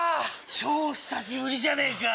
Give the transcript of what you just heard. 超久しぶりじゃねえか！